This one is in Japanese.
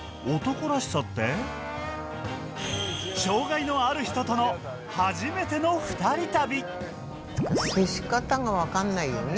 障害のある人との初めての２人旅。